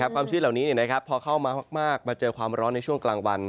ความชื้นเหล่านี้พอเข้ามามากมาเจอความร้อนในช่วงกลางวัน